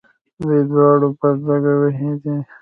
دوی دواړو بدلک وهلی دی.